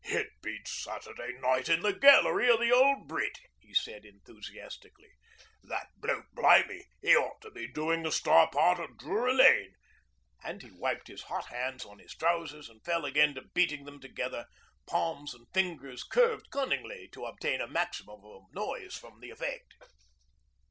'It beats Saturday night in the gallery o' the old Brit.,' he said enthusiastically. 'That bloke blimy 'e ought to be doin' the star part at Drury Lane'; and he wiped his hot hands on his trousers and fell again to beating them together, palms and fingers curved cunningly, to obtain a maximum of noise from the effort.